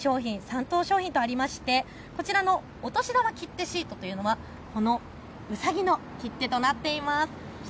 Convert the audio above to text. それから２等賞品、３等賞品とありまして、お年玉切手シートというのはこのうさぎの切手となっています。